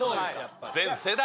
全世代。